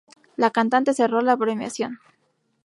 La cantante cerró la premiación.